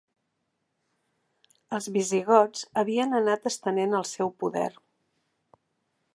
Els visigots havien anat estenent el seu poder.